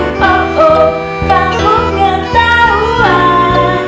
oh oh kamu ketahuan